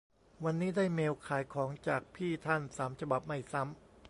วันนี้ได้เมลขายของจากพี่ท่านสามฉบับไม่ซ้ำ